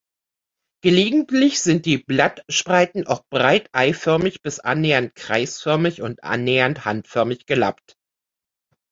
Gelegentlich sind die Blattspreiten auch breit-eiförmig bis annähernd kreisförmig und annähernd handförmig gelappt.